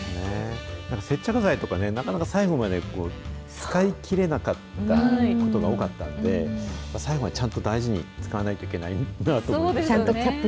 なんか接着剤とかね、なかなか最後まで使い切れなかったりすることが多かったんで、最後までちゃんと大事に使わないといけないなと思って。